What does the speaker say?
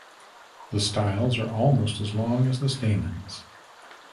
The styles are almost as long as the stamens.